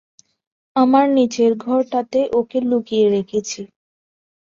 আমার নিচের ঘরটাতে ওকে লুকিয়ে রেখেছি।